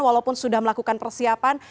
walaupun sudah melakukan persiapan